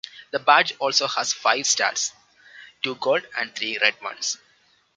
The badge also has five stars, two gold and three red ones.